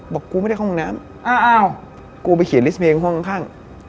บอกกูไม่ได้ห้องน้ำกูไปเขียนลิสต์เพลงห้องข้าง